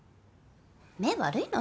目悪いの？